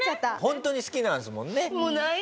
ホントに好きなんですもんね。